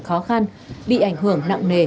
khó khăn bị ảnh hưởng nặng nề